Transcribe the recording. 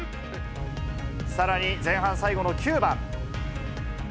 さらに前半最後の９番。